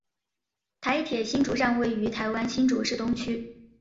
台铁新竹站位于台湾新竹市东区。